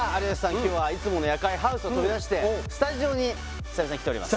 今日はいつもの夜会ハウスを飛び出してスタジオに久々に来ております